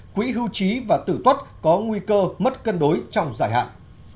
quỹ hưu trí và tử tuất có nguy cơ mất cân đối trong dài hạn